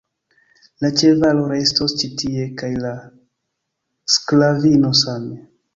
La ĉevalo restos ĉi tie, kaj la sklavino same.